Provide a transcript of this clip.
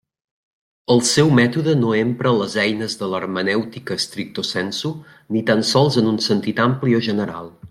El seu mètode no empra les eines de l'hermenèutica stricto sensu, ni tan sols en un sentit ampli o general.